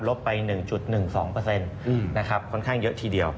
ไป๑๑๒นะครับค่อนข้างเยอะทีเดียว